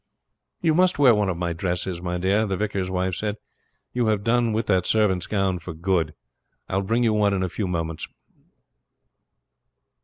"You must wear one of my dresses, my dear," the vicar's wife said. "You have done with that servant's gown for good. I will bring you one in a few minutes."